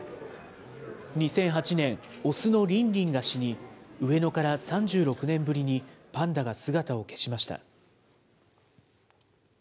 ２００８年、雄のリンリンが死に、上野から３６年ぶりにパンダが姿を消しました。